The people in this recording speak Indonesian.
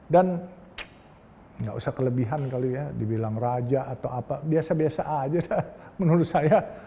dan nggak usah kelebihan kali ya dibilang raja atau apa biasa biasa aja menurut saya